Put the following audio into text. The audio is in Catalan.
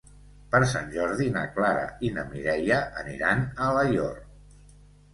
Per Sant Jordi na Clara i na Mireia aniran a Alaior.